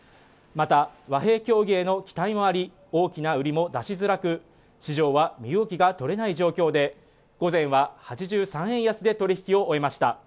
また和平協議への期待もあり大きな売りも出しづらく市場は身動きが取れない状況で午前は８３円安で取引を終えました